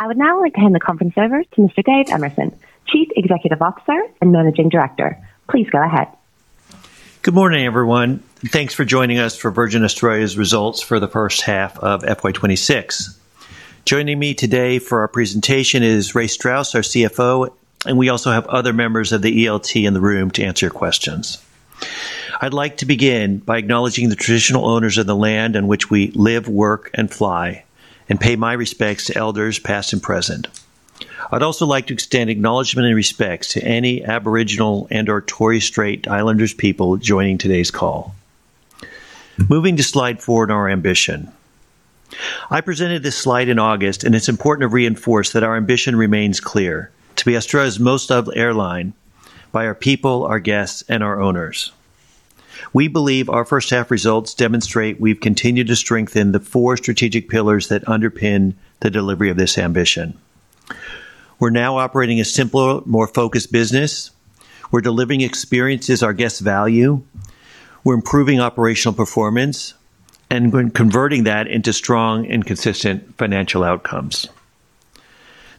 I would now like to hand the conference over to Mr. Dave Emerson, Chief Executive Officer and Managing Director. Please go ahead. Good morning, everyone, thanks for joining us for Virgin Australia's results for the first half of FY 2026. Joining me today for our presentation is Race Strauss, our CFO, and we also have other members of the ELT in the room to answer your questions. I'd like to begin by acknowledging the traditional owners of the land in which we live, work, and fly, and pay my respects to elders, past and present. I'd also like to extend acknowledgement and respects to any Aboriginal and/or Torres Strait Islanders people joining today's call. Moving to slide four and our ambition. I presented this slide in August, and it's important to reinforce that our ambition remains clear: to be Australia's most loved airline by our people, our guests, and our owners. We believe our first half results demonstrate we've continued to strengthen the four strategic pillars that underpin the delivery of this ambition. We're now operating a simpler, more focused business. We're delivering experiences our guests value. We're improving operational performance and converting that into strong and consistent financial outcomes.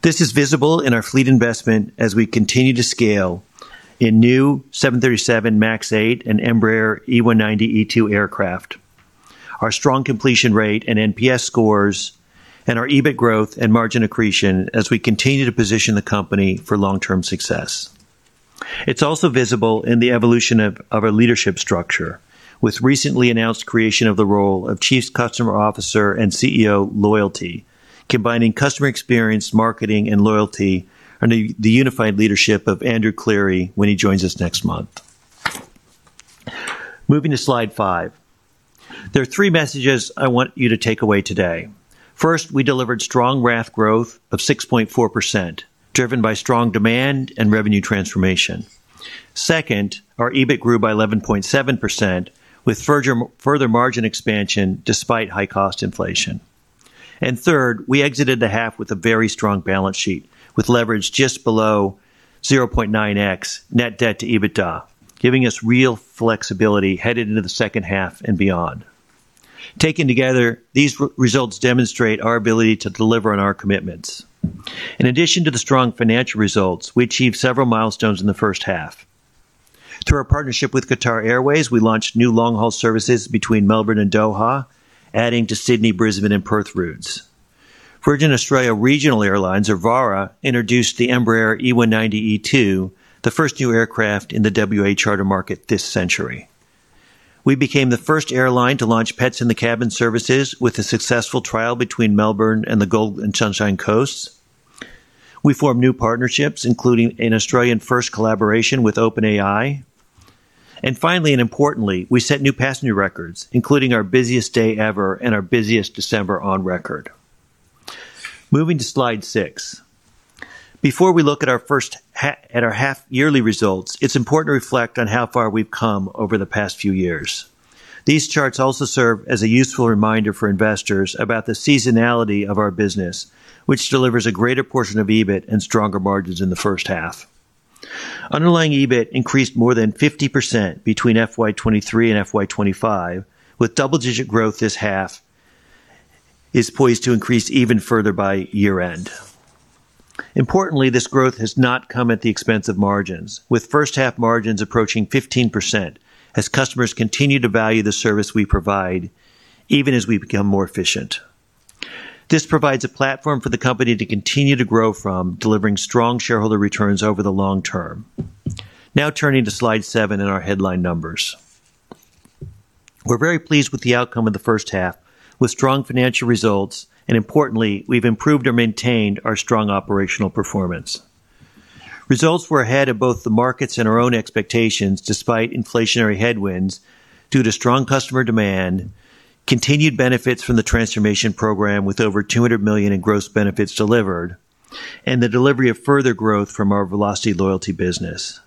This is visible in our fleet investment as we continue to scale in new 737 MAX 8 and Embraer E190-E2 aircraft. Our strong completion rate and NPS scores and our EBIT growth and margin accretion as we continue to position the company for long-term success. It's also visible in the evolution of our leadership structure, with recently announced creation of the role of Chief Customer Officer and CEO loyalty, combining customer experience, marketing, and loyalty under the unified leadership of Andrew Cleary when he joins us next month. Moving to slide five. There are three messages I want you to take away today. First, we delivered strong RASK growth of 6.4%, driven by strong demand and revenue transformation. Second, our EBIT grew by 11.7%, with further margin expansion despite high cost inflation. Third, we exited the half with a very strong balance sheet, with leverage just below 0.9x net debt to EBITDA, giving us real flexibility headed into the second half and beyond. Taken together, these results demonstrate our ability to deliver on our commitments. In addition to the strong financial results, we achieved several milestones in the first half. Through our partnership with Qatar Airways, we launched new long-haul services between Melbourne and Doha, adding to Sydney, Brisbane, and Perth routes. Virgin Australia Regional Airlines or VARA, introduced the Embraer E190-E2, the first new aircraft in the WA charter market this century. We became the first airline to launch Pets in Cabin services with a successful trial between Melbourne and the Gold and Sunshine Coasts. We formed new partnerships, including an Australian first collaboration with OpenAI. Finally, and importantly, we set new passenger records, including our busiest day ever and our busiest December on record. Moving to slide six. Before we look at our half yearly results, it's important to reflect on how far we've come over the past few years. These charts also serve as a useful reminder for investors about the seasonality of our business, which delivers a greater portion of EBIT and stronger margins in the first half. Underlying EBIT increased more than 50% between FY 2023 and FY 2025, with double-digit growth this half is poised to increase even further by year-end. Importantly, this growth has not come at the expense of margins, with first half margins approaching 15% as customers continue to value the service we provide even as we become more efficient. This provides a platform for the company to continue to grow from delivering strong shareholder returns over the long term. Turning to slide seven and our headline numbers. We're very pleased with the outcome of the first half, with strong financial results, and importantly, we've improved or maintained our strong operational performance. Results were ahead of both the markets and our own expectations, despite inflationary headwinds, due to strong customer demand, continued benefits from the transformation program with over 200 million in gross benefits delivered, and the delivery of further growth from our Velocity Loyalty business.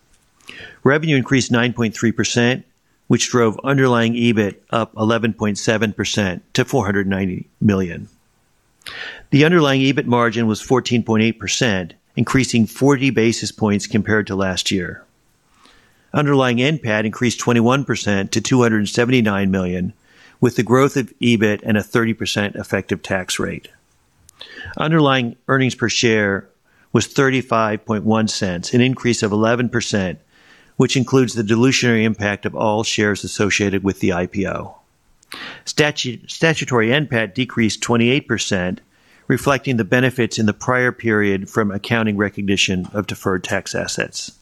Revenue increased 9.3%, which drove underlying EBIT up 11.7% to 490 million. The underlying EBIT margin was 14.8%, increasing 40 basis points compared to last year. Underlying NPAT increased 21% to 279 million, with the growth of EBIT and a 30% effective tax rate. Underlying earnings per share was 0.351, an increase of 11%, which includes the dilutionary impact of all shares associated with the IPO. Statutory NPAT decreased 28%, reflecting the benefits in the prior period from accounting recognition of deferred tax assets.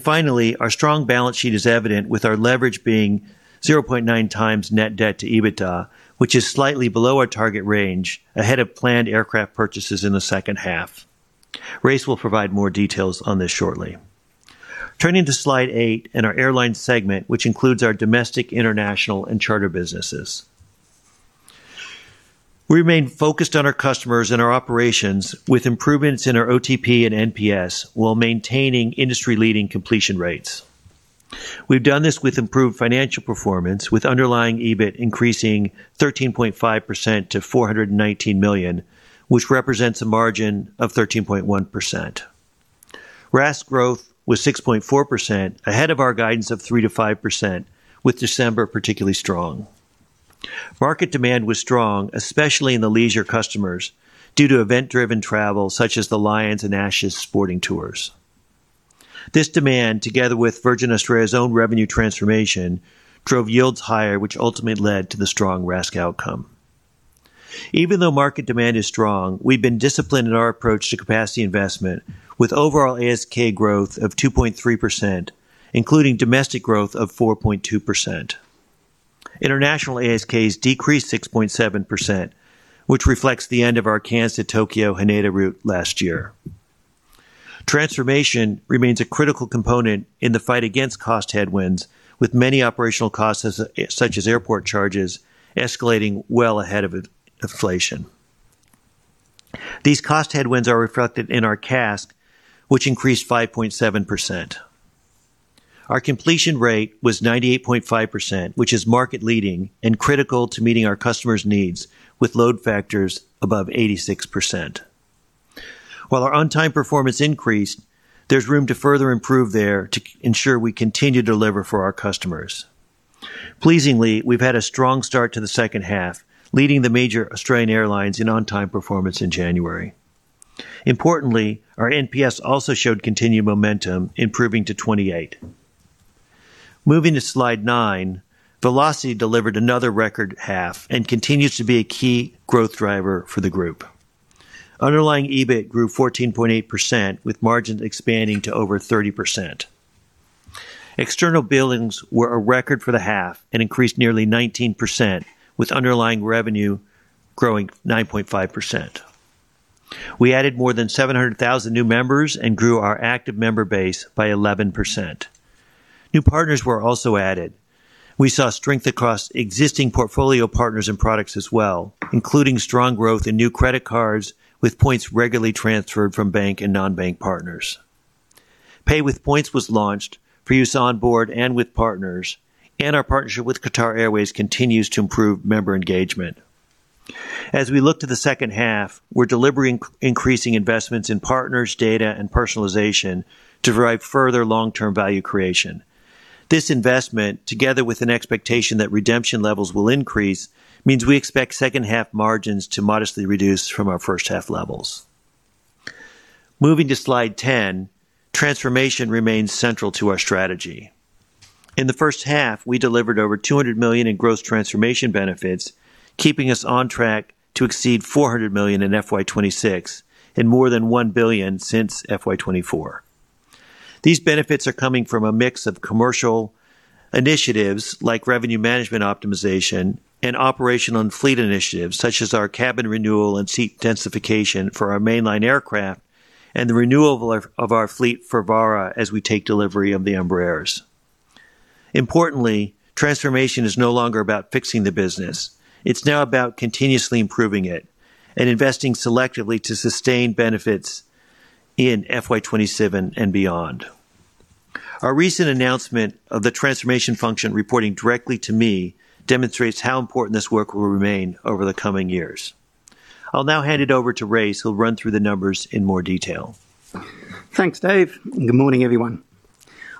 Finally, our strong balance sheet is evident, with our leverage being 0.9x net debt to EBITDA, which is slightly below our target range, ahead of planned aircraft purchases in the second half. Race will provide more details on this shortly. Turning to slide eight and our airline segment, which includes our domestic, international, and charter businesses. We remain focused on our customers and our operations with improvements in our OTP and NPS while maintaining industry-leading completion rates. We've done this with improved financial performance, with underlying EBIT increasing 13.5% to 419 million, which represents a margin of 13.1%. RASK growth was 6.4%, ahead of our guidance of 3%-5%, with December particularly strong. Market demand was strong, especially in the leisure customers, due to event-driven travel, such as the Lions and Ashes sporting tours. This demand, together with Virgin Australia's own revenue transformation, drove yields higher, which ultimately led to the strong RASK outcome. Even though market demand is strong, we've been disciplined in our approach to capacity investment, with overall ASK growth of 2.3%, including domestic growth of 4.2%. International ASKs decreased 6.7%, which reflects the end of our Cairns to Tokyo Haneda route last year. Transformation remains a critical component in the fight against cost headwinds, with many operational costs, such as airport charges, escalating well ahead of inflation. These cost headwinds are reflected in our CASK, which increased 5.7%. Our completion rate was 98.5%, which is market leading and critical to meeting our customers' needs, with load factors above 86%. While our on-time performance increased, there's room to further improve there to ensure we continue to deliver for our customers. Pleasingly, we've had a strong start to the second half, leading the major Australian airlines in on-time performance in January. Importantly, our NPS also showed continued momentum, improving to 28. Moving to slide nine, Velocity delivered another record half and continues to be a key growth driver for the group. Underlying EBIT grew 14.8%, with margins expanding to over 30%. External billings were a record for the half and increased nearly 19%, with underlying revenue growing 9.5%. We added more than 700,000 new members and grew our active member base by 11%. New partners were also added. We saw strength across existing portfolio partners and products as well, including strong growth in new credit cards, with points regularly transferred from bank and non-bank partners. Pay with Points was launched for use onboard and with partners. Our partnership with Qatar Airways continues to improve member engagement. As we look to the second half, we're delivering increasing investments in partners, data, and personalization to drive further long-term value creation. This investment, together with an expectation that redemption levels will increase, means we expect second half margins to modestly reduce from our first half levels. Moving to Slide 10, transformation remains central to our strategy. In the first half, we delivered over 200 million in gross transformation benefits, keeping us on track to exceed 400 million in FY 2026 and more than 1 billion since FY 2024. These benefits are coming from a mix of commercial initiatives like revenue management optimization and operational and fleet initiatives, such as our cabin renewal and seat densification for our mainline aircraft and the renewal of our fleet for VARA as we take delivery of the Embraer. Importantly, transformation is no longer about fixing the business. It's now about continuously improving it and investing selectively to sustain benefits in FY 2027 and beyond. Our recent announcement of the transformation function, reporting directly to me, demonstrates how important this work will remain over the coming years. I'll now hand it over to Race, who'll run through the numbers in more detail. Thanks, Dave. Good morning, everyone.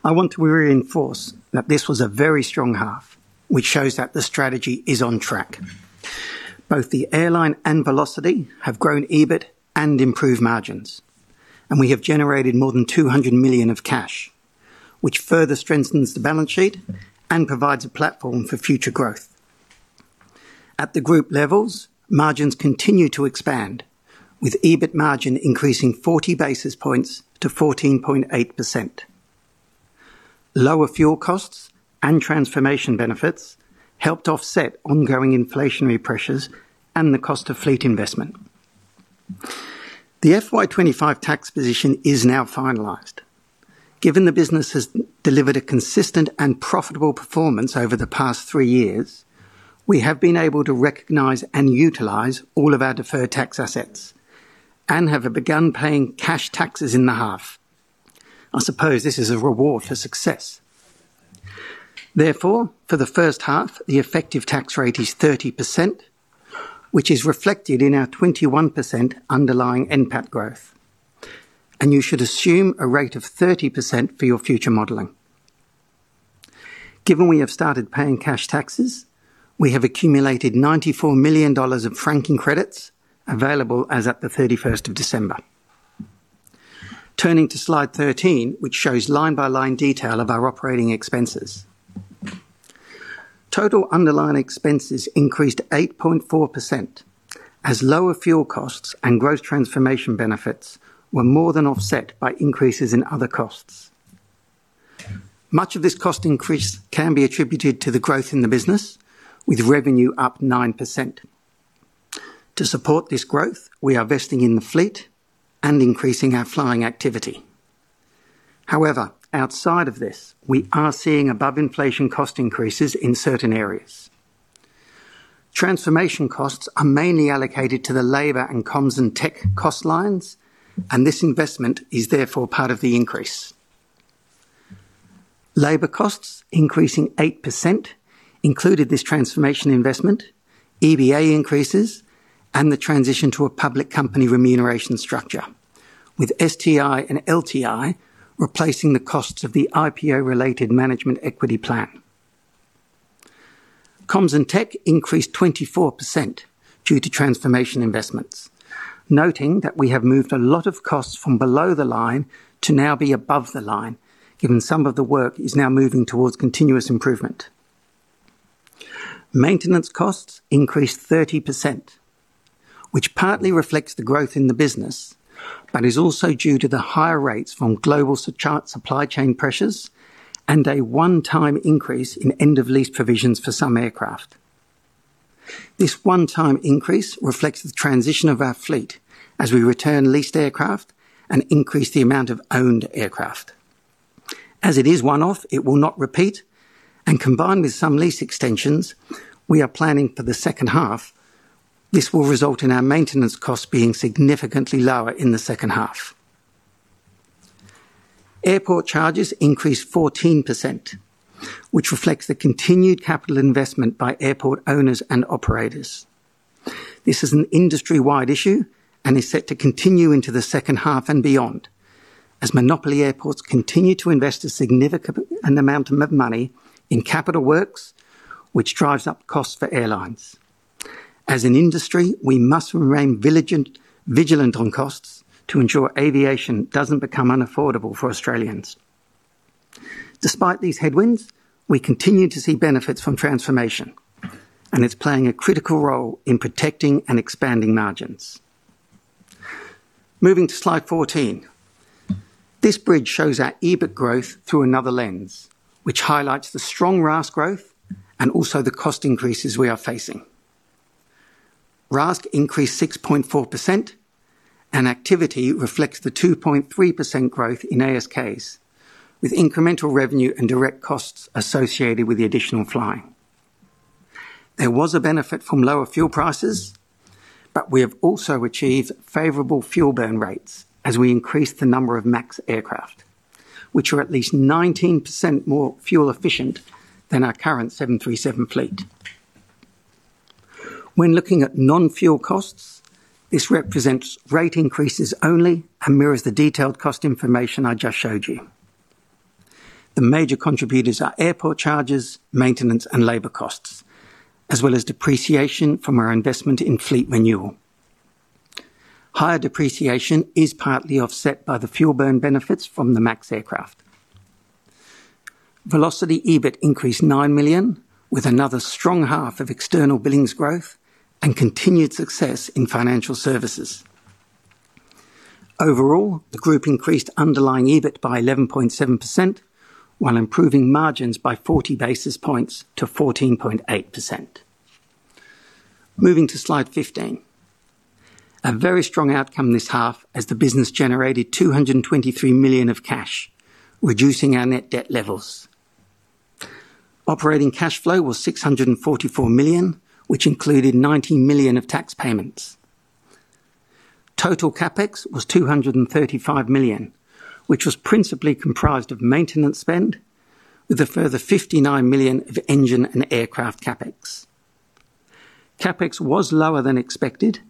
I want to reinforce that this was a very strong half, which shows that the strategy is on track. Both the airline and Velocity have grown EBIT and improved margins, and we have generated more than 200 million of cash, which further strengthens the balance sheet and provides a platform for future growth. At the group levels, margins continue to expand, with EBIT margin increasing 40 basis points to 14.8%. Lower fuel costs and transformation benefits helped offset ongoing inflationary pressures and the cost of fleet investment. The FY 2025 tax position is now finalized. Given the business has delivered a consistent and profitable performance over the past 3 years, we have been able to recognize and utilize all of our deferred tax assets and have begun paying cash taxes in the half. I suppose this is a reward for success. For the first half, the effective tax rate is 30%, which is reflected in our 21% underlying NPAT growth. You should assume a rate of 30% for your future modeling. Given we have started paying cash taxes, we have accumulated 94 million dollars of franking credits available as at the 31st of December. Turning to Slide 13, which shows line-by-line detail of our operating expenses. Total underlying expenses increased 8.4%, as lower fuel costs and growth transformation benefits were more than offset by increases in other costs. Much of this cost increase can be attributed to the growth in the business, with revenue up 9%. To support this growth, we are investing in the fleet and increasing our flying activity. Outside of this, we are seeing above-inflation cost increases in certain areas. Transformation costs are mainly allocated to the labor and comms and tech cost lines. This investment is therefore part of the increase. Labor costs increasing 8% included this transformation investment, EBA increases, and the transition to a public company remuneration structure, with STI and LTI replacing the costs of the IPO-related management equity plan. Comms and tech increased 24% due to transformation investments, noting that we have moved a lot of costs from below the line to now be above the line, given some of the work is now moving towards continuous improvement. Maintenance costs increased 30%, which partly reflects the growth in the business, but is also due to the higher rates from global supply chain pressures and a one-time increase in end-of-lease provisions for some aircraft. This one-time increase reflects the transition of our fleet as we return leased aircraft and increase the amount of owned aircraft. As it is one-off, it will not repeat, and combined with some lease extensions we are planning for the second half, this will result in our maintenance costs being significantly lower in the second half. Airport charges increased 14%, which reflects the continued capital investment by airport owners and operators. This is an industry-wide issue and is set to continue into the second half and beyond, as monopoly airports continue to invest a significant amount of money in capital works, which drives up costs for airlines. As an industry, we must remain vigilant on costs to ensure aviation doesn't become unaffordable for Australians. Despite these headwinds, we continue to see benefits from transformation, and it's playing a critical role in protecting and expanding margins. Moving to Slide 14. This bridge shows our EBIT growth through another lens, which highlights the strong RASK growth and also the cost increases we are facing. RASK increased 6.4%, and activity reflects the 2.3% growth in ASKs, with incremental revenue and direct costs associated with the additional flying. There was a benefit from lower fuel prices, but we have also achieved favorable fuel burn rates as we increased the number of MAX aircraft, which are at least 19% more fuel efficient than our current 737 fleet. When looking at non-fuel costs, this represents rate increases only and mirrors the detailed cost information I just showed you. The major contributors are airport charges, maintenance, and labor costs, as well as depreciation from our investment in fleet renewal. Higher depreciation is partly offset by the fuel burn benefits from the MAX aircraft. Velocity EBIT increased 9 million, with another strong half of external billings growth and continued success in financial services. Overall, the group increased underlying EBIT by 11.7%, while improving margins by 40 basis points to 14.8%. Moving to Slide 15. A very strong outcome this half as the business generated 223 million of cash, reducing our net debt levels. Operating cash flow was 644 million, which included 90 million of tax payments. Total CapEx was 235 million, which was principally comprised of maintenance spend, with a further 59 million of engine and aircraft CapEx. CapEx was lower than expected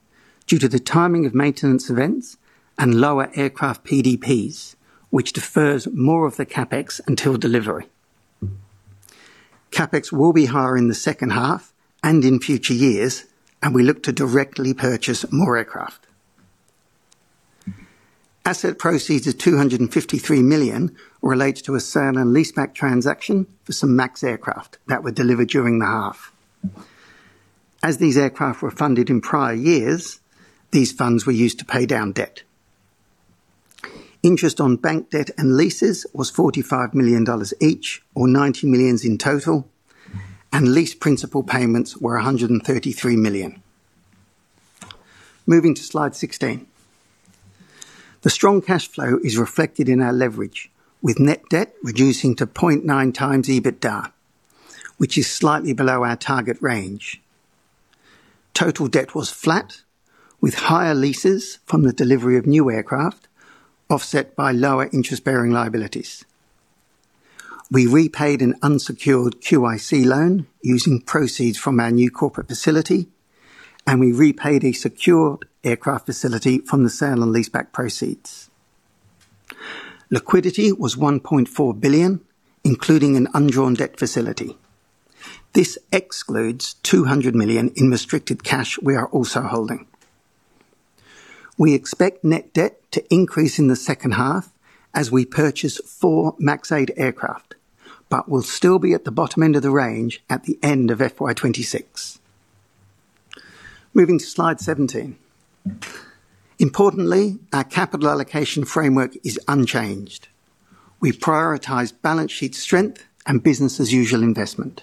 due to the timing of maintenance events and lower aircraft PDPs, which defers more of the CapEx until delivery. CapEx will be higher in the second half and in future years, and we look to directly purchase more aircraft. Asset proceeds of 253 million relates to a sale and leaseback transaction for some MAX aircraft that were delivered during the half. As these aircraft were funded in prior years, these funds were used to pay down debt. Interest on bank debt and leases was 45 million dollars each or 90 million in total, and lease principal payments were 133 million. Moving to Slide 16. The strong cash flow is reflected in our leverage, with net debt reducing to 0.9x EBITDA, which is slightly below our target range. Total debt was flat, with higher leases from the delivery of new aircraft offset by lower interest-bearing liabilities. We repaid an unsecured QIC loan using proceeds from our new corporate facility. We repaid a secured aircraft facility from the sale and leaseback proceeds. Liquidity was 1.4 billion, including an undrawn debt facility. This excludes 200 million in restricted cash we are also holding. We expect net debt to increase in the second half as we purchase 4 MAX 8 aircraft, will still be at the bottom end of the range at the end of FY 2026. Moving to Slide 17. Importantly, our capital allocation framework is unchanged. We prioritize balance sheet strength and business-as-usual investment,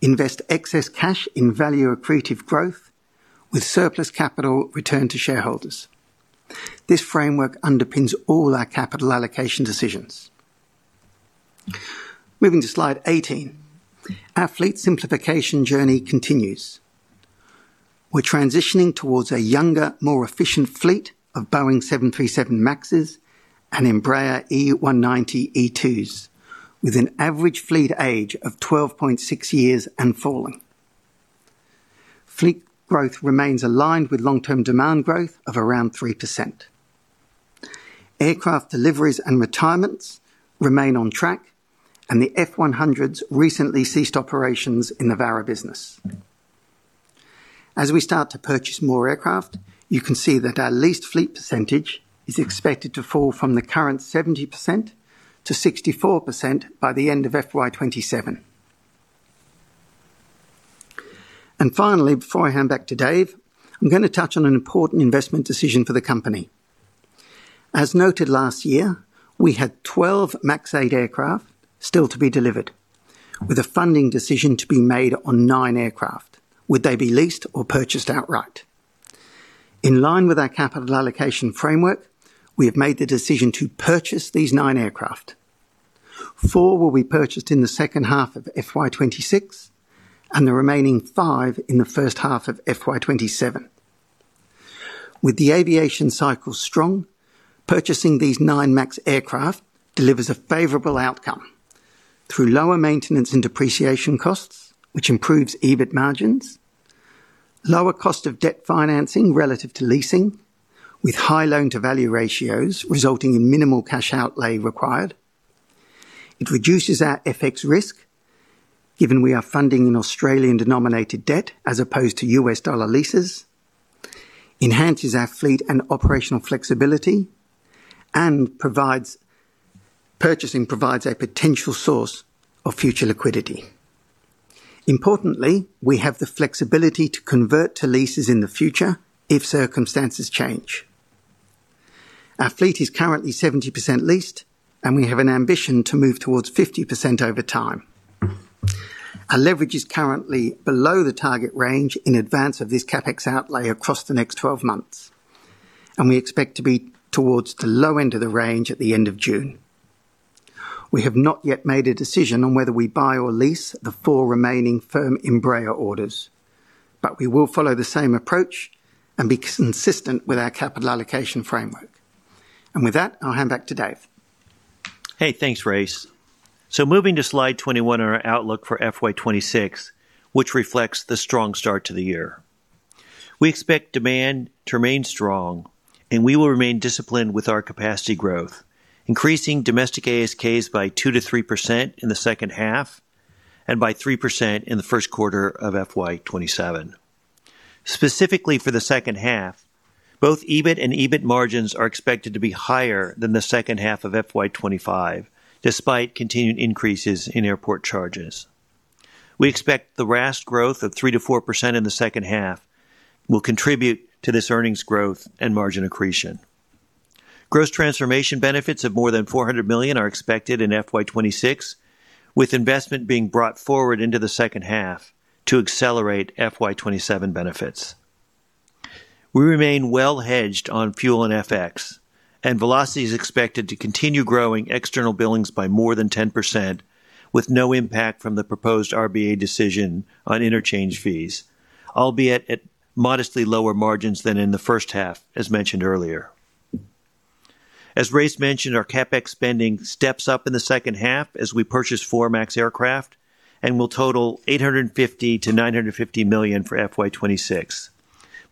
invest excess cash in value accretive growth with surplus capital returned to shareholders. This framework underpins all our capital allocation decisions. Moving to Slide 18. Our fleet simplification journey continues.... We're transitioning towards a younger, more efficient fleet of Boeing 737 MAXs and Embraer E190-E2s, with an average fleet age of 12.6 years and falling. Fleet growth remains aligned with long-term demand growth of around 3%. Aircraft deliveries and retirements remain on track, the Fokker 100s recently ceased operations in the VARA business. As we start to purchase more aircraft, you can see that our leased fleet percentage is expected to fall from the current 70%-64% by the end of FY 2027. Finally, before I hand back to Dave, I'm gonna touch on an important investment decision for the company. As noted last year, we had 12 MAX 8 aircraft still to be delivered, with a funding decision to be made on 9 aircraft. Would they be leased or purchased outright? In line with our capital allocation framework, we have made the decision to purchase these nine aircraft. Four will be purchased in the second half of FY 2026, the remaining five in the first half of FY 2027. With the aviation cycle strong, purchasing these 9 MAX aircraft delivers a favorable outcome through lower maintenance and depreciation costs, which improves EBIT margins, lower cost of debt financing relative to leasing, with high loan-to-value ratios resulting in minimal cash outlay required. It reduces our FX risk, given we are funding an Australian-denominated debt as opposed to U.S. dollar leases, enhances our fleet and operational flexibility, purchasing provides a potential source of future liquidity. Importantly, we have the flexibility to convert to leases in the future if circumstances change. Our fleet is currently 70% leased, and we have an ambition to move towards 50% over time. Our leverage is currently below the target range in advance of this CapEx outlay across the next 12 months, and we expect to be towards the low end of the range at the end of June. We have not yet made a decision on whether we buy or lease the 4 remaining firm Embraer orders, but we will follow the same approach and be consistent with our capital allocation framework. With that, I'll hand back to Dave. Hey, thanks, Race. Moving to Slide 21, our outlook for FY 2026, which reflects the strong start to the year. We expect demand to remain strong, and we will remain disciplined with our capacity growth, increasing domestic ASKs by 2%-3% in the second half and by 3% in the first quarter of FY 2027. Specifically for the second half, both EBIT and EBIT margins are expected to be higher than the second half of FY 2025, despite continued increases in airport charges. We expect the RASK growth of 3%-4% in the second half will contribute to this earnings growth and margin accretion. Gross transformation benefits of more than 400 million are expected in FY 2026, with investment being brought forward into the second half to accelerate FY 2027 benefits. We remain well hedged on fuel and FX. Velocity is expected to continue growing external billings by more than 10%, with no impact from the proposed RBA decision on interchange fees, albeit at modestly lower margins than in the first half, as mentioned earlier. As Race mentioned, our CapEx spending steps up in the second half as we purchase 4 MAX aircraft and will total 850 million-950 million for FY 2026.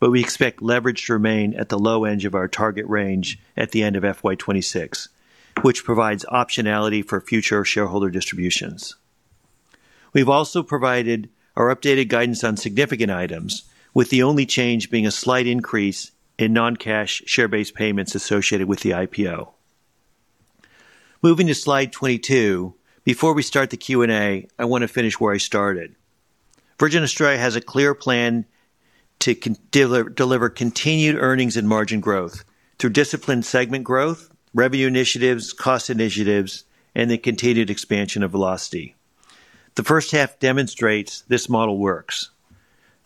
We expect leverage to remain at the low end of our target range at the end of FY 2026, which provides optionality for future shareholder distributions. We've also provided our updated guidance on significant items, with the only change being a slight increase in non-cash share-based payments associated with the IPO. Moving to Slide 22. Before we start the Q&A, I want to finish where I started. Virgin Australia has a clear plan to deliver continued earnings and margin growth through disciplined segment growth, revenue initiatives, cost initiatives, and the continued expansion of Velocity. The first half demonstrates this model works.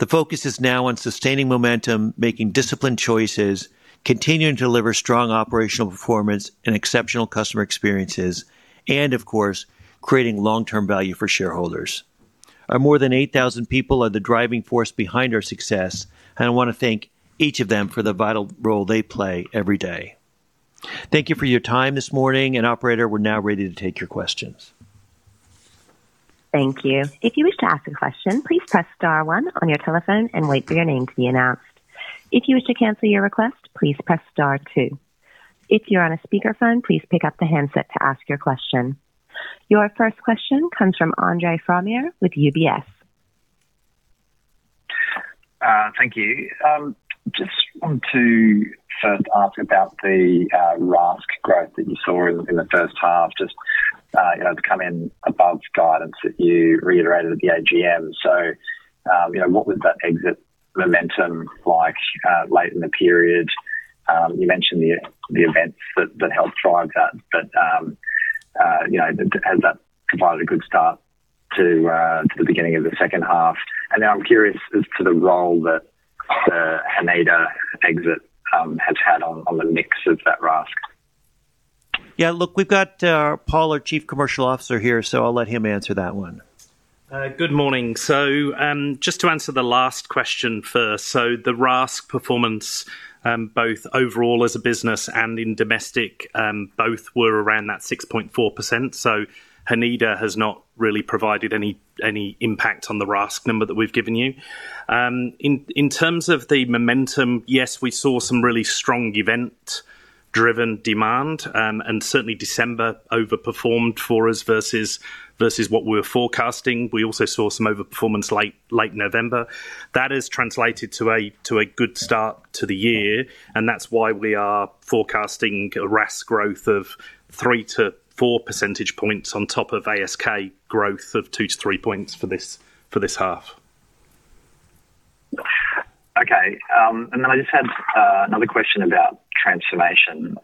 The focus is now on sustaining momentum, making disciplined choices, continuing to deliver strong operational performance and exceptional customer experiences, and of course, creating long-term value for shareholders. Our more than 8,000 people are the driving force behind our success, and I want to thank each of them for the vital role they play every day. Thank you for your time this morning, and operator, we're now ready to take your questions. Thank you. If you wish to ask a question, please press star one on your telephone and wait for your name to be announced. If you wish to cancel your request, please press star two. If you're on a speakerphone, please pick up the handset to ask your question. Your first question comes from Andre Fromyhr with UBS. Thank you. Just want to first ask about the RASK growth that you saw in the first half, just, you know, to come in above guidance that you reiterated at the AGM. What was that exit momentum like, late in the period? You mentioned the events that helped drive that, but, you know, has that provided a good start to the beginning of the second half? Now I'm curious as to the role that the Haneda exit has had on the mix of that RASK. Yeah, look, we've got, Paul, our Chief Commercial Officer here, so I'll let him answer that one. Good morning. Just to answer the last question first. The RASK performance, both overall as a business and in domestic, both were around that 6.4%. Haneda has not really provided any impact on the RASK number that we've given you. In terms of the momentum, yes, we saw some really strong event-driven demand, and certainly December overperformed for us versus what we were forecasting. We also saw some overperformance late November. That has translated to a good start to the year, and that's why we are forecasting a RASK growth of 3-to-4 percentage points on top of ASK growth of 2-to-3 points for this half. Okay, then I just had another question about transformation.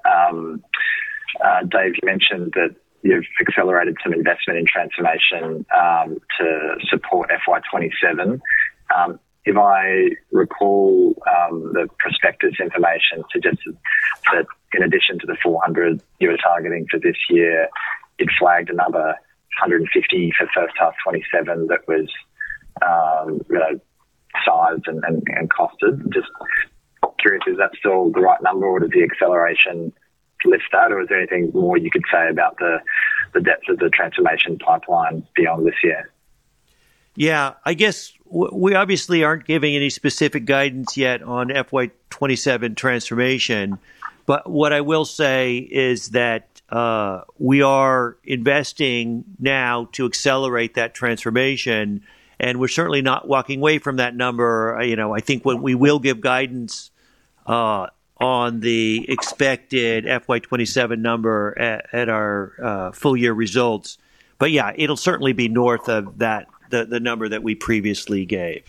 Dave, you mentioned that you've accelerated some investment in transformation to support FY 2027. If I recall, the prospectus information suggested that in addition to the 400 you were targeting for this year, it flagged another 150 for first half 2027, that was, you know, sized and costed. Just curious, is that still the right number, or did the acceleration lift out, or is there anything more you could say about the depth of the transformation pipeline beyond this year? Yeah, I guess we obviously aren't giving any specific guidance yet on FY 2027 transformation. What I will say is that, we are investing now to accelerate that transformation, and we're certainly not walking away from that number. You know, I think when we will give guidance, on the expected FY 2027 number at our, full year results. Yeah, it'll certainly be north of that, the number that we previously gave.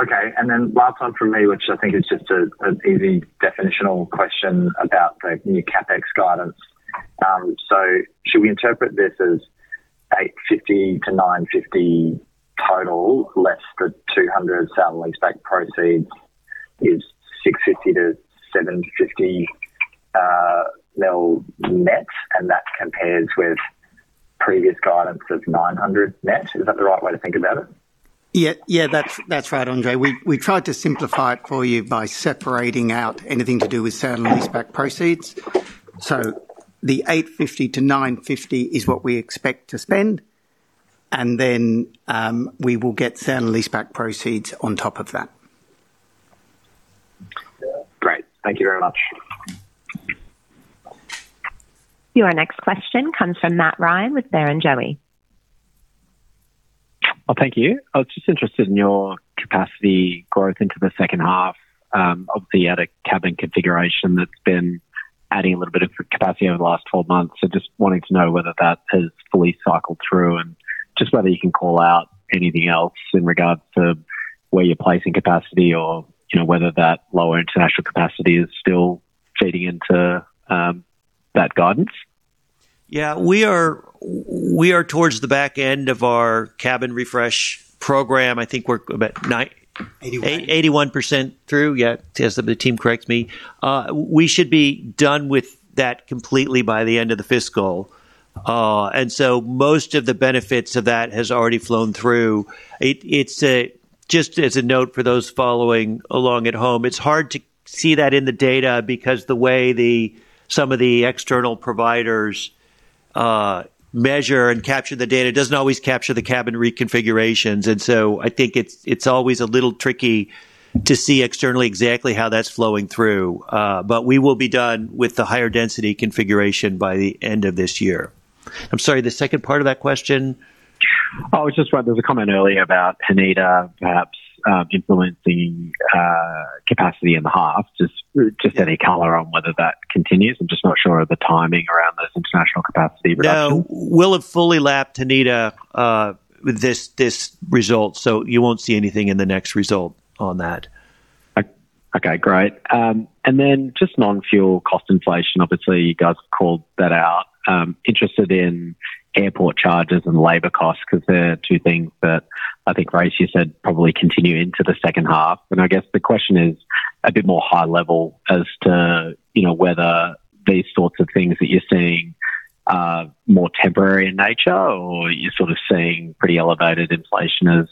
Okay, last one from me, which I think is just an easy definitional question about the new CapEx guidance. Should we interpret this as 850 million-950 million total, less the 200 million sale and leaseback proceeds, is 650 million-750 million net, and that compares with previous guidance of 900 million net? Is that the right way to think about it? Yeah, that's right, Andre. We tried to simplify it for you by separating out anything to do with sale and leaseback proceeds. The 850 million-950 million is what we expect to spend, we will get sale and leaseback proceeds on top of that. Great. Thank you very much. Your next question comes from Matt Ryan with Barrenjoey. Thank you. I was just interested in your capacity growth into the second half, of the added cabin configuration that's been adding a little bit of capacity over the last 12 months. Just wanting to know whether that has fully cycled through, and just whether you can call out anything else in regards to where you're placing capacity or, you know, whether that lower international capacity is still feeding into, that guidance. Yeah, we are towards the back end of our cabin refresh program. I think we're about nine- Eighty-one. 81% through, yeah, as the team corrects me. We should be done with that completely by the end of the fiscal. Most of the benefits of that has already flown through. It's a... Just as a note for those following along at home, it's hard to see that in the data because the way the, some of the external providers measure and capture the data, doesn't always capture the cabin reconfigurations. I think it's always a little tricky to see externally exactly how that's flowing through. We will be done with the higher density configuration by the end of this year. I'm sorry, the second part of that question? It's just, there was a comment earlier about Haneda perhaps influencing capacity in the half. Just any color on whether that continues. I'm just not sure of the timing around this international capacity reduction. No, we'll have fully lapped Haneda, this result, so you won't see anything in the next result on that. Okay, great. Just non-fuel cost inflation. Obviously, you guys called that out. Interested in airport charges and labor costs, because they're two things that I think, Race, you said, probably continue into the second half. I guess the question is a bit more high level as to, you know, whether these sorts of things that you're seeing are more temporary in nature, or are you sort of seeing pretty elevated inflation as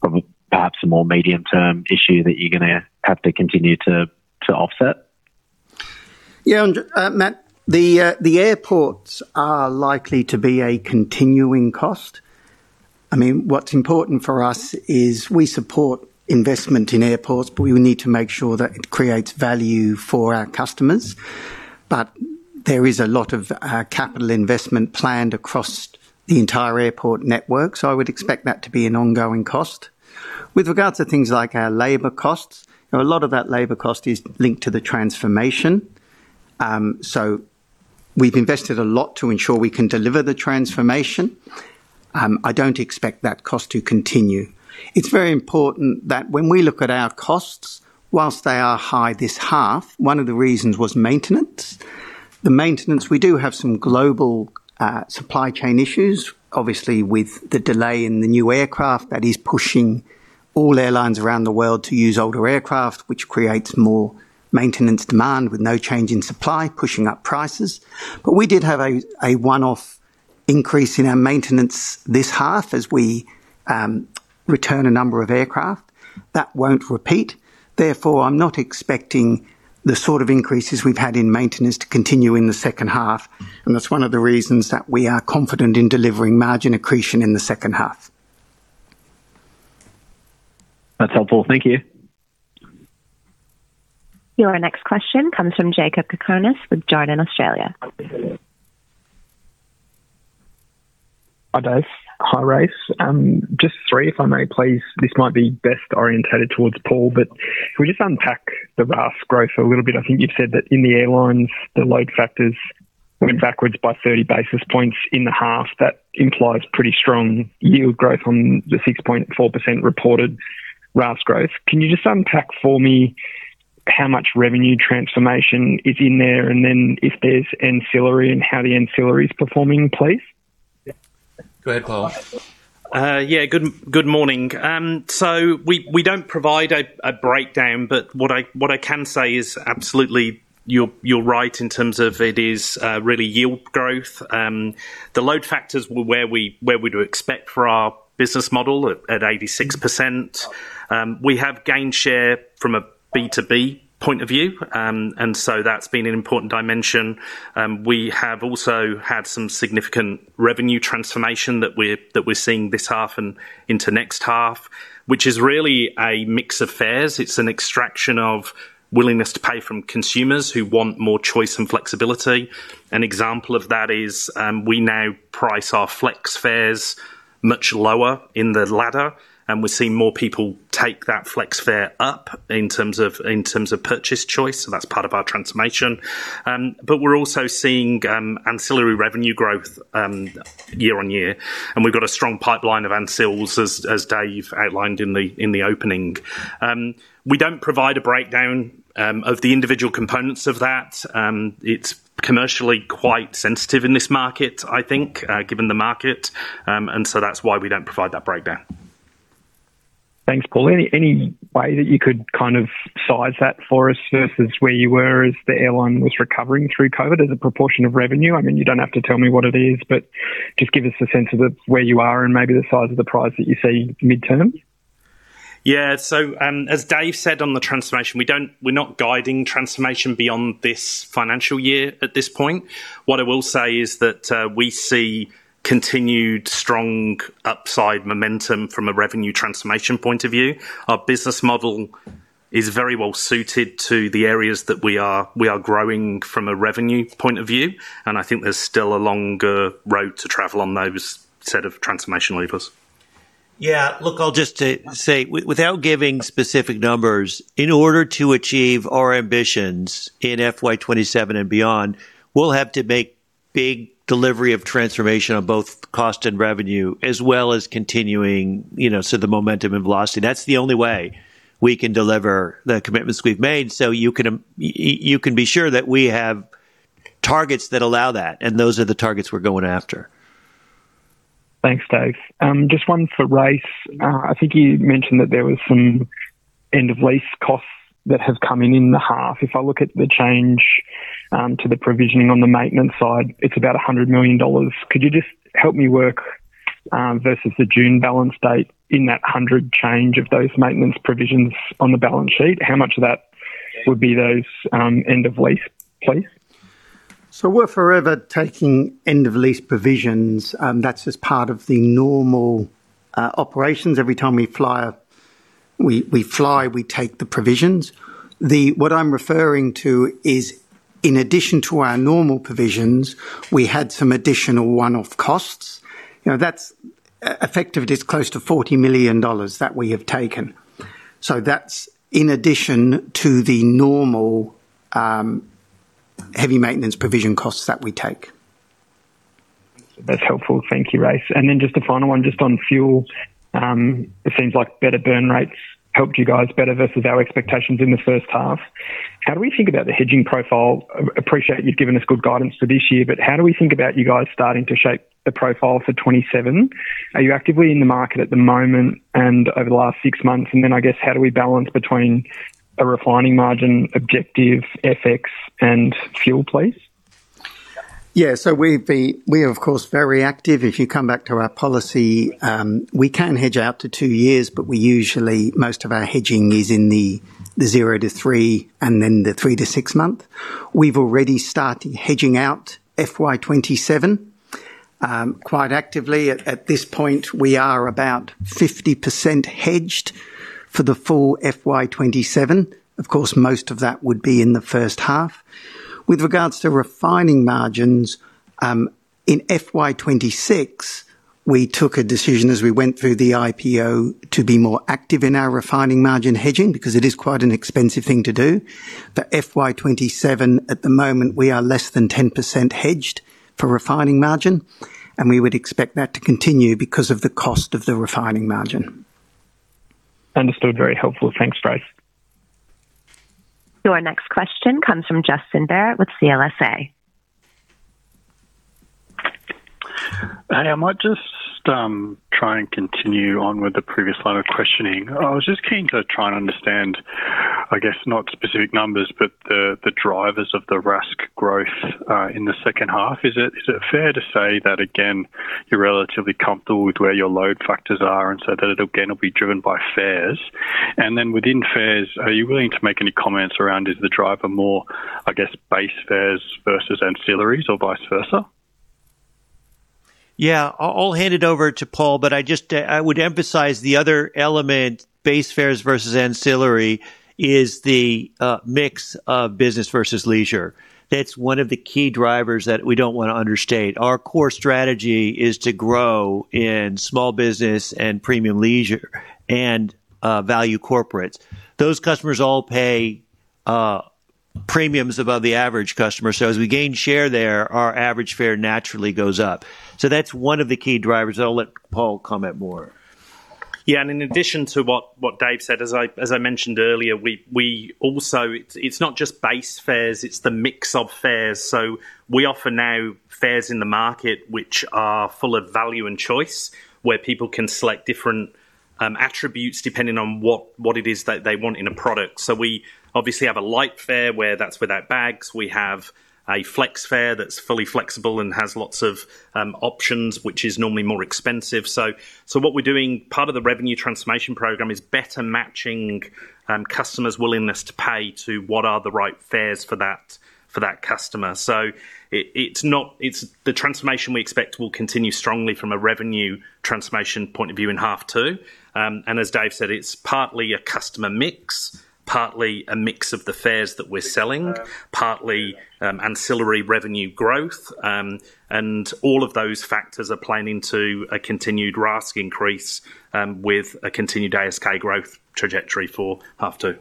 probably perhaps a more medium-term issue that you're gonna have to continue to offset? Yeah, Matt, the airports are likely to be a continuing cost. I mean, what's important for us is we support investment in airports, but we need to make sure that it creates value for our customers. There is a lot of capital investment planned across the entire airport network, so I would expect that to be an ongoing cost. With regards to things like our labor costs, you know, a lot of that labor cost is linked to the transformation. We've invested a lot to ensure we can deliver the transformation. I don't expect that cost to continue. It's very important that when we look at our costs, whilst they are high this half, one of the reasons was maintenance. The maintenance, we do have some global supply chain issues. Obviously, with the delay in the new aircraft, that is pushing all airlines around the world to use older aircraft, which creates more maintenance demand with no change in supply, pushing up prices. We did have a one-off increase in our maintenance this half as we return a number of aircraft. That won't repeat, therefore, I'm not expecting the sort of increases we've had in maintenance to continue in the second half, and that's one of the reasons that we are confident in delivering margin accretion in the second half. That's helpful. Thank you. Your next question comes from Jakob Cakarnis with Jarden Australia. Hi, Dave. Hi, Race. Just three, if I may please. This might be best orientated towards Paul, but can we just unpack the RASK growth a little bit? I think you've said that in the airlines, the load factors went backwards by 30 basis points in the half. That implies pretty strong yield growth on the 6.4% reported RASK growth. Can you just unpack for me how much revenue transformation is in there, and then if there's ancillary and how the ancillary is performing, please? Go ahead, Paul. Yeah. Good morning. We don't provide a breakdown, but what I can say is absolutely, you're right in terms of it is really yield growth. The load factors were where we do expect for our business model at 86%. We have gained share from a B2B point of view, that's been an important dimension. We have also had some significant revenue transformation that we're seeing this half and into next half, which is really a mix of fares. It's an extraction of willingness to pay from consumers who want more choice and flexibility. An example of that is, we now price our flex fares much lower in the ladder, and we're seeing more people take that flex fare up in terms of purchase choice, so that's part of our transformation. We're also seeing ancillary revenue growth year-on-year, and we've got a strong pipeline of ancils, as Dave outlined in the opening. We don't provide a breakdown of the individual components of that. It's commercially quite sensitive in this market, I think, given the market, that's why we don't provide that breakdown. Thanks, Paul. Any way that you could kind of size that for us versus where you were as the airline was recovering through COVID as a proportion of revenue? I mean, you don't have to tell me what it is, but just give us a sense of it, where you are and maybe the size of the prize that you see midterm. As Dave said on the transformation, we're not guiding transformation beyond this financial year at this point. What I will say is that we see continued strong upside momentum from a revenue transformation point of view. Our business model is very well suited to the areas that we are growing from a revenue point of view, and I think there's still a longer road to travel on those set of transformation levers. Yeah. Look, I'll just say, without giving specific numbers, in order to achieve our ambitions in FY 2027 and beyond, we'll have to make big delivery of transformation on both cost and revenue, as well as continuing, you know, so the momentum and Velocity. That's the only way we can deliver the commitments we've made. You can be sure that we have targets that allow that, and those are the targets we're going after. Thanks, Dave. Just one for Race. I think you mentioned that there was some end-of-lease costs that have come in in the half. If I look at the change to the provisioning on the maintenance side, it's about 100 million dollars. Could you just help me work versus the June balance date in that 100 change of those maintenance provisions on the balance sheet, how much of that would be those end of lease, please? We're forever taking end-of-lease provisions, and that's just part of the normal operations. Every time we fly, we take the provisions. What I'm referring to is, in addition to our normal provisions, we had some additional one-off costs. You know, that's effectively it's close to 40 million dollars that we have taken. That's in addition to the normal heavy maintenance provision costs that we take. That's helpful. Thank you, Race. Just a final one, just on fuel. It seems like better burn rates helped you guys better versus our expectations in the first half. How do we think about the hedging profile? I appreciate you've given us good guidance for this year, but how do we think about you guys starting to shape the profile for 2027? Are you actively in the market at the moment and over the last 6 months, and then, I guess, how do we balance between a refining margin objective, FX and fuel, please? We are, of course, very active. If you come back to our policy, we can hedge out to two years, but we usually, most of our hedging is in the zero to three and then the three to six month. We've already started hedging out FY 2027 quite actively. At this point, we are about 50% hedged for the full FY 2027. Of course, most of that would be in the first half. With regards to refining margins, in FY 2026, we took a decision as we went through the IPO to be more active in our refining margin hedging, because it is quite an expensive thing to do. FY 2027, at the moment, we are less than 10% hedged for refining margin, and we would expect that to continue because of the cost of the refining margin. Understood. Very helpful. Thanks, Race. Your next question comes from Justin Barratt with CLSA. Hey, I might just try and continue on with the previous line of questioning. I was just keen to try and understand, I guess, not specific numbers, but the drivers of the RASK growth in the second half. Is it fair to say that, again, you're relatively comfortable with where your load factors are and so that it again, will be driven by fares? Within fares, are you willing to make any comments around, is the driver more, I guess, base fares versus ancillaries or vice versa? I'll hand it over to Paul, but I just would emphasize the other element, base fares versus ancillary, is the mix of business versus leisure. That's one of the key drivers that we don't want to understate. Our core strategy is to grow in small business and premium leisure and value corporates. Those customers all pay premiums above the average customer. As we gain share there, our average fare naturally goes up. That's one of the key drivers. I'll let Paul comment more. In addition to what Dave said, as I mentioned earlier, we also, it's not just base fares, it's the mix of fares. We offer now fares in the market, which are full of value and choice, where people can select different attributes depending on what it is that they want in a product. We obviously have a light fare, where that's without bags. We have a flex fare that's fully flexible and has lots of options, which is normally more expensive. What we're doing, part of the revenue transformation program is better matching customers' willingness to pay to what are the right fares for that customer. It's the transformation we expect will continue strongly from a revenue transformation point of view in half two. As Dave said, it's partly a customer mix, partly a mix of the fares that we're selling, partly ancillary revenue growth. All of those factors are playing into a continued RASK increase with a continued ASK growth trajectory for half two.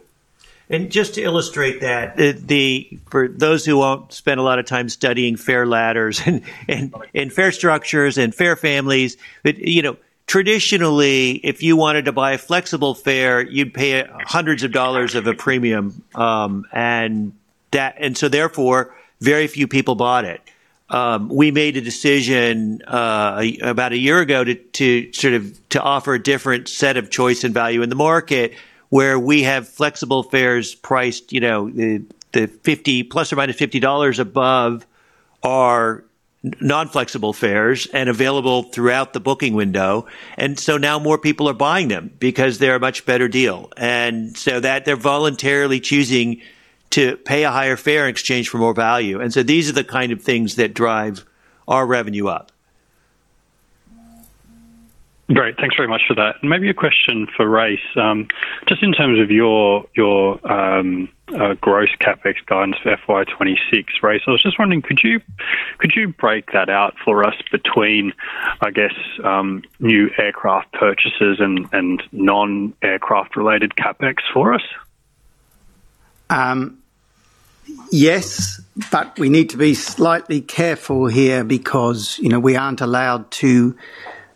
Just to illustrate that, the for those who won't spend a lot of time studying fare ladders and fare structures and fare families, but, you know, traditionally, if you wanted to buy a flexible fare, you'd pay hundreds of dollars of a premium, and so therefore, very few people bought it. We made a decision about a year ago to sort of, to offer a different set of choice and value in the market, where we have flexible fares priced, you know, the 50, ±$50 above our non-flexible fares and available throughout the booking window. Now more people are buying them because they're a much better deal. That they're voluntarily choosing to pay a higher fare in exchange for more value. These are the kind of things that drive our revenue up. Great. Thanks very much for that. Maybe a question for Race. Just in terms of your gross CapEx guidance for FY 2026, Race, I was just wondering, could you break that out for us between new aircraft purchases and non-aircraft related CapEx for us? Yes, but we need to be slightly careful here because, you know, we aren't allowed to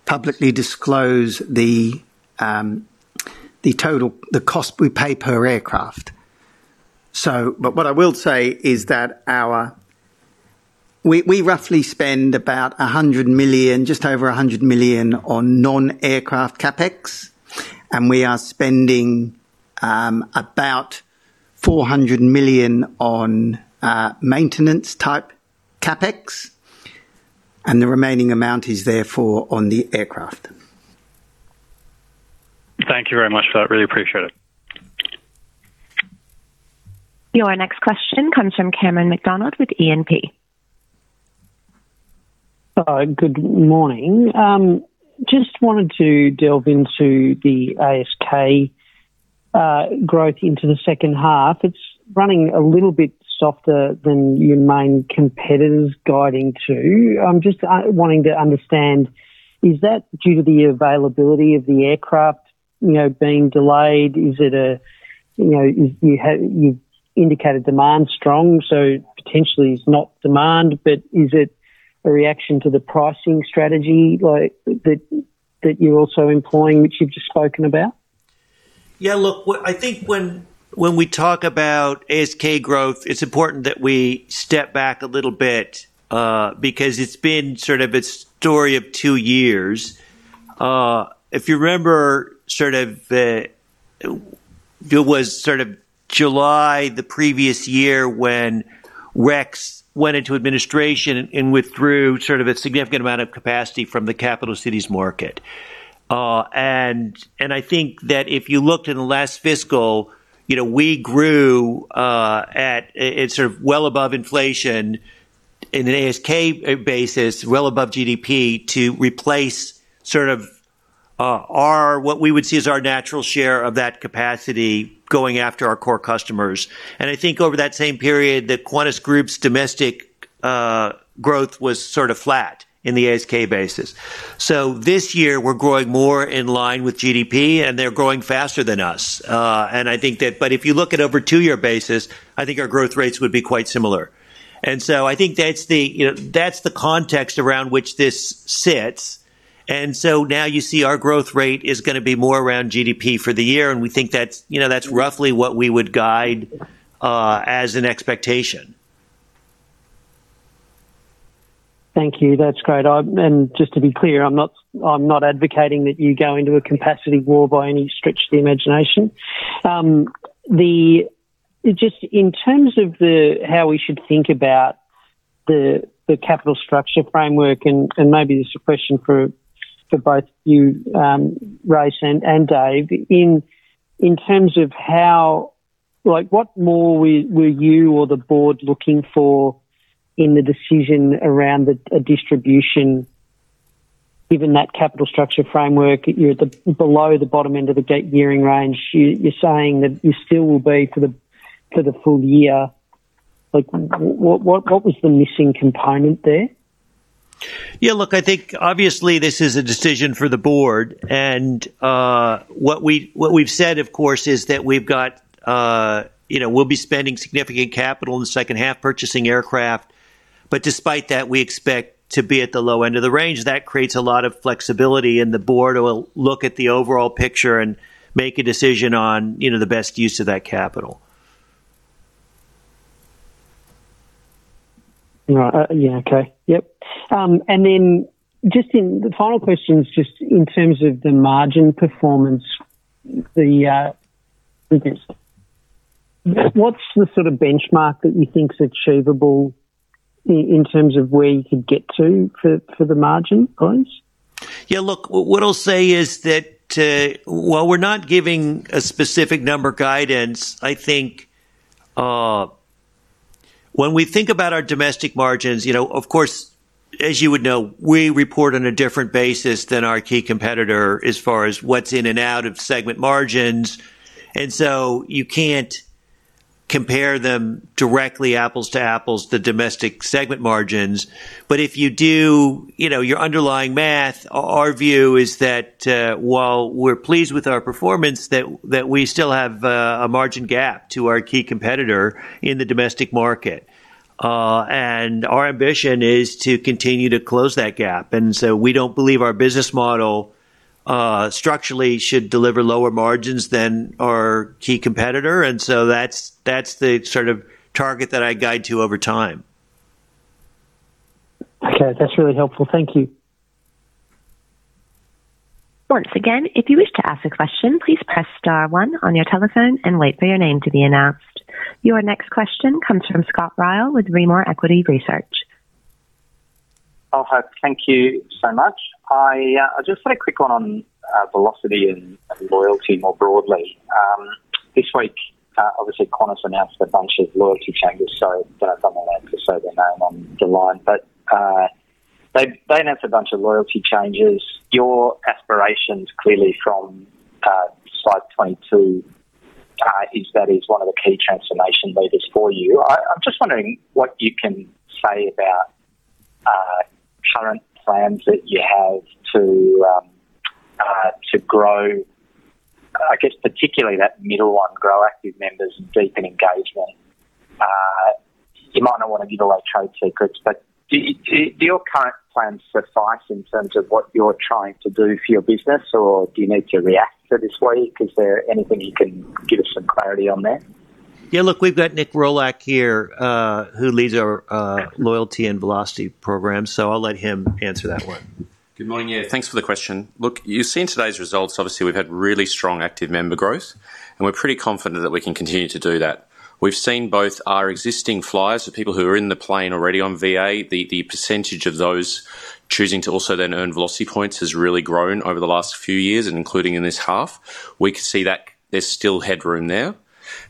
publicly disclose the total cost we pay per aircraft. But what I will say is that we roughly spend about 100 million, just over 100 million on non-aircraft CapEx, and we are spending about AUD 400 million on maintenance-type CapEx, and the remaining amount is therefore on the aircraft. Thank you very much for that. I really appreciate it. Your next question comes from Cameron McDonald with E&P. Good morning. Just wanted to delve into the ASK growth into the second half. It's running a little bit softer than your main competitors guiding to. I'm just wanting to understand, is that due to the availability of the aircraft, you know, being delayed? Is it a, you know, you've indicated demand is strong, so potentially it's not demand, but is it a reaction to the pricing strategy like, that you're also employing, which you've just spoken about? Yeah, look, I think when we talk about ASK growth, it's important that we step back a little bit because it's been sort of a story of two years. If you remember, sort of, it was sort of July the previous year when Rex went into administration and withdrew sort of a significant amount of capacity from the capital cities market. I think that if you looked in the last fiscal, you know, we grew at sort of well above inflation in an ASK basis, well above GDP, to replace sort of our, what we would see as our natural share of that capacity going after our core customers. I think over that same period, the Qantas Group's domestic growth was sort of flat in the ASK basis. This year, we're growing more in line with GDP, and they're growing faster than us. If you look at over 2-year basis, I think our growth rates would be quite similar. I think that's the, you know, that's the context around which this sits. Now you see our growth rate is going to be more around GDP for the year, and we think that's, you know, that's roughly what we would guide as an expectation. Thank you. That's great. Just to be clear, I'm not advocating that you go into a capacity war by any stretch of the imagination. Just in terms of the, how we should think about the capital structure framework, and maybe this is a question for both you, Race and Dave. In terms of how... Like, what more were you or the board looking for in the decision around the distribution, given that capital structure framework, you're at the below the bottom end of the gearing range, you're saying that you still will be for the full year? Like, what was the missing component there? Yeah, look, I think obviously this is a decision for the board, and what we've said, of course, is that we've got, you know, we'll be spending significant capital in the second half purchasing aircraft. Despite that, we expect to be at the low end of the range. That creates a lot of flexibility. The board will look at the overall picture and make a decision on, you know, the best use of that capital. Right. Yeah, okay. Yep. Just in the final questions, just in terms of the margin performance, the, what's the sort of benchmark that you think is achievable in terms of where you could get to for the margin goals? Yeah, look, what I'll say is that, while we're not giving a specific number guidance, I think, when we think about our domestic margins, you know, of course, as you would know, we report on a different basis than our key competitor as far as what's in and out of segment margins, and so you can't compare them directly, apples to apples, the domestic segment margins. If you do, you know, your underlying math, our view is that, while we're pleased with our performance, that we still have a margin gap to our key competitor in the domestic market. Our ambition is to continue to close that gap, and so we don't believe our business model structurally should deliver lower margins than our key competitor, and so that's the sort of target that I guide to over time. Okay. That's really helpful. Thank you. Once again, if you wish to ask a question, please press star one on your telephone and wait for your name to be announced. Your next question comes from Scott Ryall with Rimor Equity Research. Oh, hi, thank you so much. I just want a quick one on Velocity and loyalty more broadly. This week, obviously, Qantas announced a bunch of loyalty changes, I don't want to say the name on the line, but they've announced a bunch of loyalty changes. Your aspirations clearly from Slide 22, is that is one of the key transformation leaders for you. I'm just wondering what you can say about current plans that you have to grow, I guess, particularly that middle one, grow active members and deepen engagement. You might not want to give away trade secrets, but do your current plans suffice in terms of what you're trying to do for your business, or do you need to react to this week? Is there anything you can give us some clarity on there? Yeah, look, we've got Nick Rohrlach here, who leads our loyalty and Velocity program, so I'll let him answer that one. Good morning. Yeah, thanks for the question. Look, you've seen today's results. Obviously, we've had really strong active member growth, and we're pretty confident that we can continue to do that. We've seen both our existing flyers, the people who are in the plane already on VA, the percentage of those choosing to also then earn Velocity points has really grown over the last few years, and including in this half. We can see that there's still headroom there.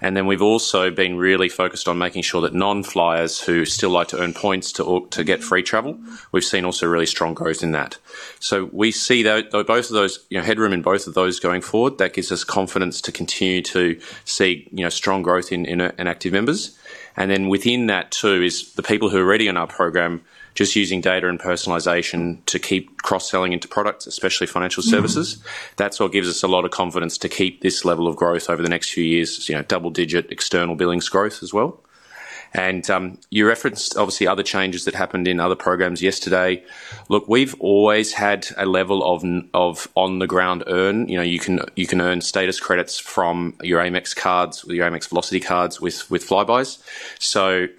And then we've also been really focused on making sure that non-flyers who still like to earn points to or to get free travel, we've seen also really strong growth in that. So we see those, both of those, you know, headroom in both of those going forward. That gives us confidence to continue to see, you know, strong growth in active members. Then within that, too, is the people who are already on our program, just using data and personalization to keep cross-selling into products, especially financial services. That's what gives us a lot of confidence to keep this level of growth over the next few years, you know, double-digit external billings growth as well. You referenced, obviously, other changes that happened in other programs yesterday. Look, we've always had a level of on-the-ground earn. You know, you can earn status credits from your Amex cards, or your Amex Velocity cards with Flybuys.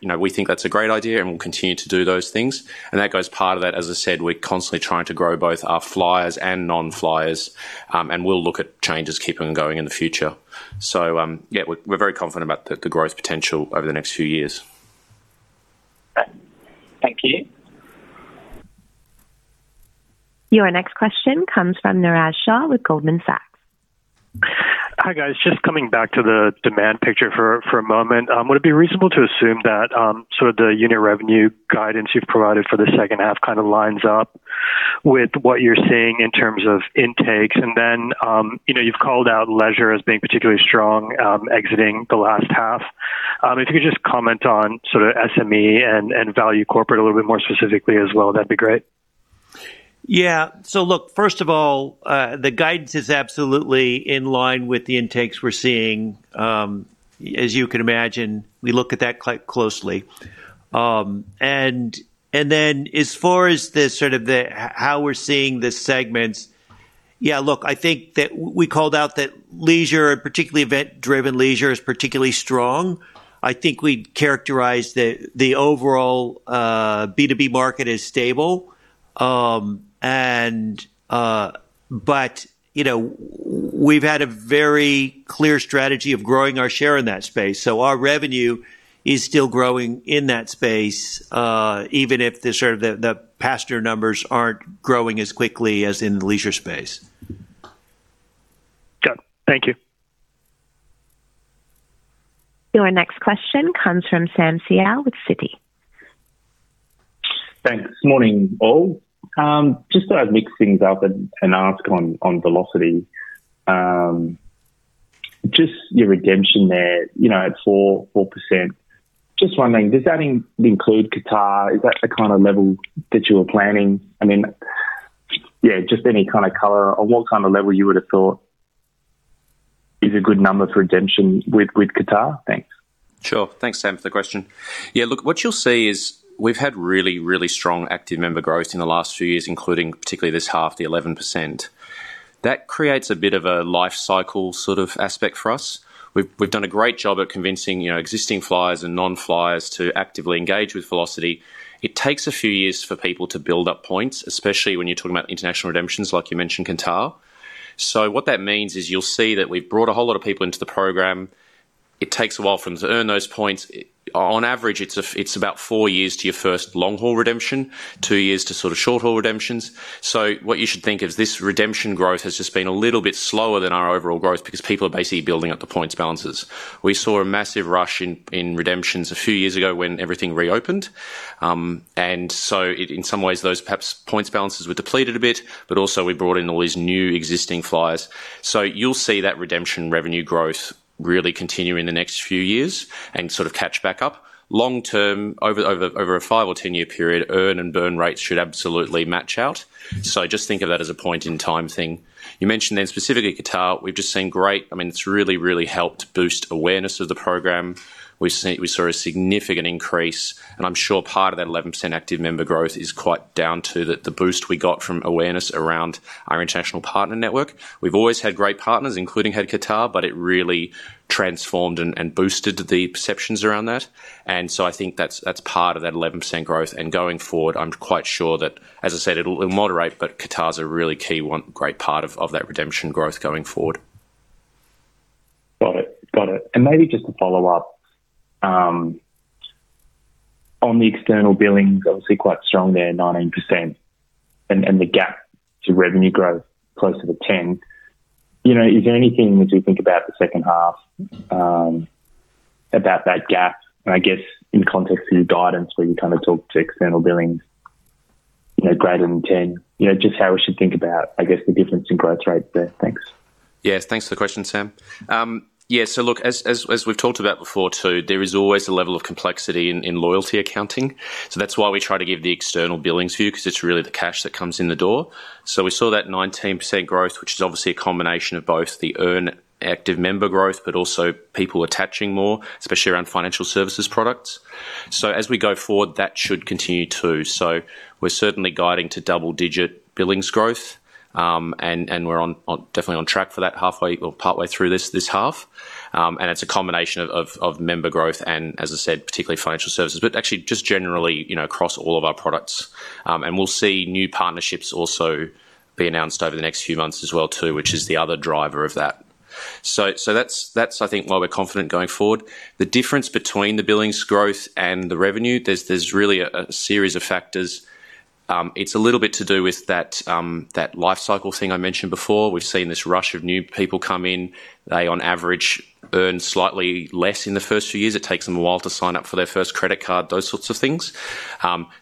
You know, we think that's a great idea, and we'll continue to do those things. That goes part of that, as I said, we're constantly trying to grow both our flyers and non-flyers, and we'll look at changes keeping them going in the future. Yeah, we're very confident about the growth potential over the next few years. Thank you. Your next question comes from Niraj Shah with Goldman Sachs. Hi, guys. Just coming back to the demand picture for a moment. Would it be reasonable to assume that sort of the unit revenue guidance you've provided for the second half kind of lines up with what you're seeing in terms of intakes? You know, you've called out leisure as being particularly strong exiting the last half. If you could just comment on sort of SME and value corporate a little bit more specifically as well, that'd be great. Yeah. Look, first of all, the guidance is absolutely in line with the intakes we're seeing. As you can imagine, we look at that closely. Then as far as the sort of how we're seeing. Yeah, look, I think that we called out that leisure, particularly event-driven leisure, is particularly strong. I think we'd characterize the overall B2B market as stable. But, you know, we've had a very clear strategy of growing our share in that space, so our revenue is still growing in that space, even if the sort of the passenger numbers aren't growing as quickly as in the leisure space. Got it. Thank you. Your next question comes from Sam Seow with Citi. Thanks. Morning, all. Just thought I'd mix things up and ask on Velocity. Just your redemption there, you know, at 4%. Just wondering, does that include Qatar? Is that the kind of level that you were planning? I mean, yeah, just any kind of color on what kind of level you would have thought is a good number for redemption with Qatar? Thanks. Sure. Thanks, Sam, for the question. Yeah, look, what you'll see is we've had really, really strong active member growth in the last few years, including particularly this half, the 11%. That creates a bit of a life cycle sort of aspect for us. We've done a great job at convincing, you know, existing flyers and non-flyers to actively engage with Velocity. It takes a few years for people to build up points, especially when you're talking about international redemptions, like you mentioned, Qatar. What that means is you'll see that we've brought a whole lot of people into the program. It takes a while for them to earn those points. On average, it's about 4 years to your first long-haul redemption, two years to sort of short-haul redemptions. What you should think is this redemption growth has just been a little bit slower than our overall growth because people are basically building up the points balances. We saw a massive rush in redemptions a few years ago when everything reopened. In some ways, those perhaps points balances were depleted a bit, but also we brought in all these new existing flyers. You'll see that redemption revenue growth really continue in the next few years and sort of catch back up. Long term, over a 5-year or 10-year period, earn and burn rates should absolutely match out. Just think of that as a point-in-time thing. You mentioned specifically Qatar. We've just seen great. I mean, it's really helped boost awareness of the program. We saw a significant increase, and I'm sure part of that 11% active member growth is quite down to the boost we got from awareness around our international partner network. We've always had great partners, including had Qatar, but it really transformed and boosted the perceptions around that, and so I think that's part of that 11% growth, and going forward, I'm quite sure that, as I said, it'll moderate, but Qatar is a really key one, great part of that redemption growth going forward. Got it. Got it. Maybe just to follow up on the external billings, obviously quite strong there, 19%, and the gap to revenue growth closer to 10%. You know, is there anything, as you think about the second half about that gap, and I guess in context of your guidance, where you kind of talked to external billings, you know, greater than 10%? You know, just how we should think about, I guess, the difference in growth rates there. Thanks. Yes, thanks for the question, Sam. Yeah, so look, as we've talked about before, too, there is always a level of complexity in loyalty accounting. That's why we try to give the external billings view, 'cause it's really the cash that comes in the door. We saw that 19% growth, which is obviously a combination of both the earn active member growth, but also people attaching more, especially around financial services products. As we go forward, that should continue, too. We're certainly guiding to double-digit billings growth, and we're definitely on track for that halfway or partway through this half. And it's a combination of member growth and, as I said, particularly financial services, but actually just generally, you know, across all of our products. We'll see new partnerships also be announced over the next few months as well, too, which is the other driver of that. That's, I think, why we're confident going forward. The difference between the billings growth and the revenue, there's really a series of factors. It's a little bit to do with that life cycle thing I mentioned before. We've seen this rush of new people come in. They, on average, earn slightly less in the first few years. It takes them a while to sign up for their first credit card, those sorts of things.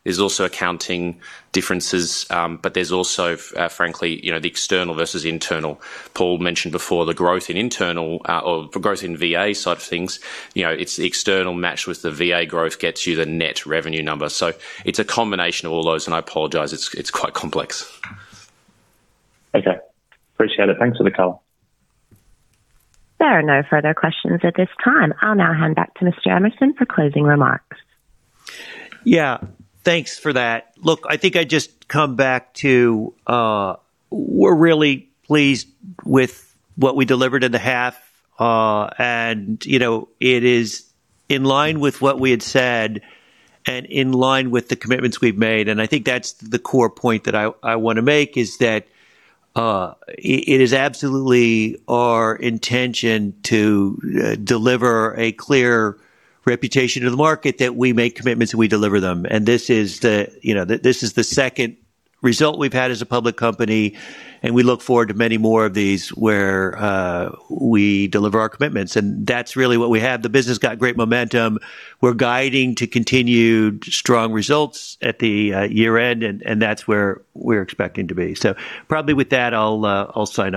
There's also accounting differences, there's also, frankly, you know, the external versus internal. Paul mentioned before, the growth in internal, or the growth in VA side of things, you know, it's the external matched with the VA growth gets you the net revenue number. It's a combination of all those, and I apologize, it's quite complex. Okay. Appreciate it. Thanks for the call. There are no further questions at this time. I'll now hand back to Mr. Emerson for closing remarks. Yeah, thanks for that. Look, I think I'd just come back to, we're really pleased with what we delivered in the half. You know, it is in line with what we had said and in line with the commitments we've made. I think that's the core point that I wanna make, is that, it is absolutely our intention to deliver a clear reputation to the market, that we make commitments, and we deliver them. This is the, you know, this is the second result we've had as a public company, and we look forward to many more of these where we deliver our commitments, and that's really what we have. The business has got great momentum. We're guiding to continued strong results at the year-end, and that's where we're expecting to be. Probably with that, I'll sign off.